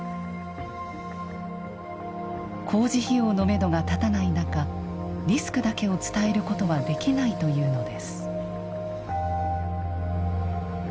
工事費用のめどが立たない中リスクだけを伝えることはできないというのです。